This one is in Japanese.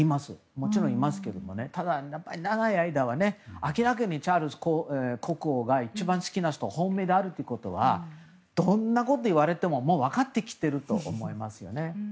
もちろんいますけれども長い間明らかにチャールズ国王が一番好きな人、本命であることはどんなことをいわれても分かってきてると思いますね。